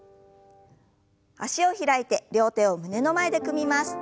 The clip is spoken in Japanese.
脚を開いて両手を胸の前で組みます。